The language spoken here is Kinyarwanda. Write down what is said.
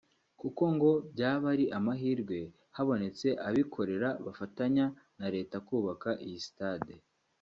kuko ngo byaba ari amahirwe habonetse abikorera bafatanya na Leta kubaka iyi stade